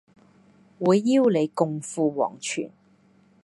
會邀你同赴黃泉